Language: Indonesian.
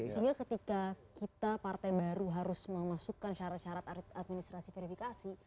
sehingga ketika kita partai baru harus memasukkan syarat syarat administrasi verifikasi